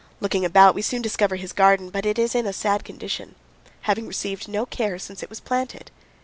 Looking about, we soon discover his garden, but it is in a sad condition, having received no care since it was planted.